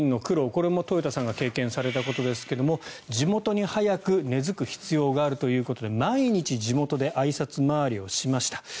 これも豊田さんが経験されたことですが地元に早く根強く必要があるということで毎日、地元であいさつ回りをしました。